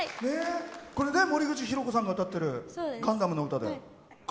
森口博子さんが歌ってる「ガンダム」の歌で。